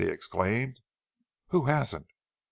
he exclaimed. "Who hasn't!"